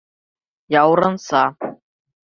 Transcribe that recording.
Яурынса.